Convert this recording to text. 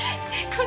えっ？